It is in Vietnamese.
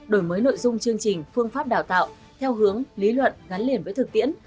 đổi mới nội dung chương trình phương pháp đào tạo theo hướng lý luận gắn liền với thực tiễn